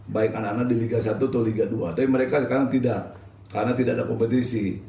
baik anak anak di liga satu atau liga dua tapi mereka sekarang tidak karena tidak ada kompetisi